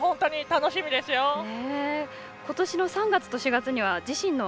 楽しみですね。